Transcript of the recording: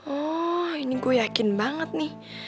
oh ini gue yakin banget nih